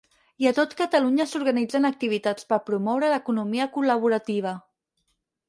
I a tot Catalunya s'organitzen activitats per promoure l'economia col·laborativa.